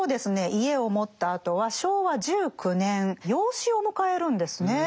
家を持ったあとは昭和１９年養子を迎えるんですね。